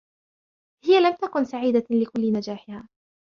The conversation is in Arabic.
هي لم تكُن سعيدة لكل نجاحِها.